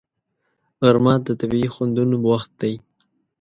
غرمه د طبیعي خوندونو وخت دی